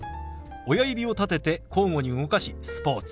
親指を立てて交互に動かし「スポーツ」。